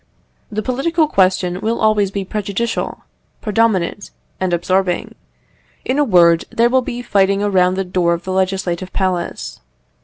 The political question will always be prejudicial, predominant, and absorbing; in a word, there will be fighting around the door of the Legislative Palace.